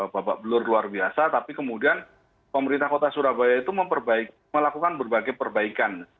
babak belur luar biasa tapi kemudian pemerintah kota surabaya itu melakukan berbagai perbaikan